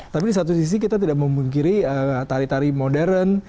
tapi di satu sisi kita tidak memungkiri tari tari modern